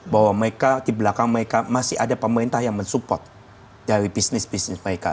bahwa mereka di belakang mereka masih ada pemerintah yang mensupport dari bisnis bisnis mereka